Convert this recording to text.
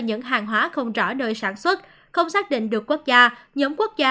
những hàng hóa không rõ nơi sản xuất không xác định được quốc gia nhóm quốc gia